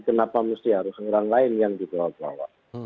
kenapa mesti harus orang lain yang dibawa bawa